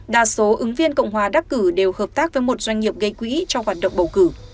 đa số ứng viên cộng hòa đắc cử đều hợp tác với một doanh nghiệp gây quỹ cho hoạt động bầu cử